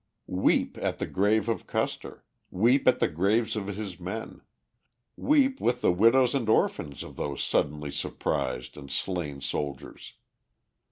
] Weep at the grave of Custer; weep at the graves of his men; weep with the widows and orphans of those suddenly surprised and slain soldiers.